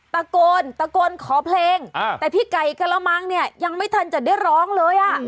ตะโกนตะโกนขอเพลงแต่พี่ไก่กระมังเนี่ยยังไม่ทันจะได้ร้องเลยอ่ะ